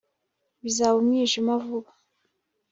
bizaba umwijima vuba